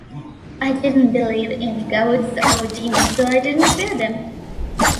I didn't believe in gods or demons, so I didn't fear them.